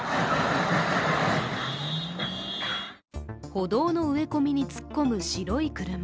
歩道の植え込みに突っ込む白い車。